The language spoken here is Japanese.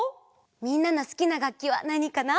みんなのすきながっきはなにかな？